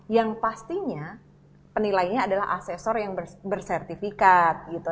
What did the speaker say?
yang pastinya penilainya adalah asesor yang bersertifikat gitu